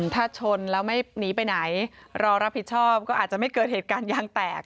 ถ้าชนแล้วไม่หนีไปไหนรอรับผิดชอบก็อาจจะไม่เกิดเหตุการณ์ยางแตก